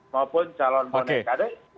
maupun calon bonek